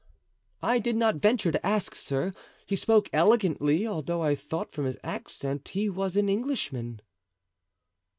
"I did not venture to ask, sir; he spoke elegantly, although I thought from his accent he was an Englishman."